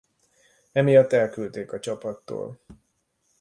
Emiatt elküldték a csapattól.